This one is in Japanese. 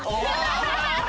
ハハハハ！